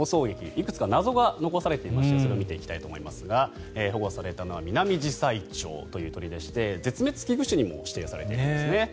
いくつか謎が残されていましてそれを見ていきたいと思いますが保護されたのはミナミジサイチョウという鳥で絶滅危惧種にも指定されているんですね。